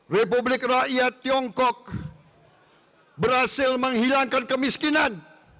republik rakyat tiongkok berhasil menghilangkan kemiskinan